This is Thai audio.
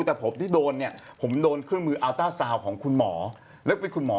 แต่ผมที่โดนเนี่ยผมโดนเครื่องมืออัลเตอร์ซาวน์ของคุณหมอ